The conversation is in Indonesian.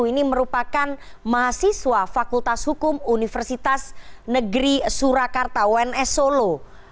ini merupakan mahasiswa fakultas hukum universitas negeri surakarta uns solo